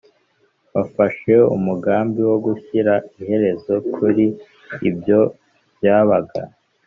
bafashe umugambi wo gushyira iherezo kuri ibyo byabaga